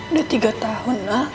udah tiga tahun lah